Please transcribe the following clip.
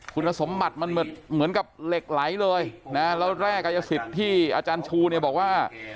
คุณสมบัติมันเหมือนกับเหล็กไหลเลยนะแล้วแร่กายสิทธิ์ที่อาจารย์ชูเนี่ยบอกว่า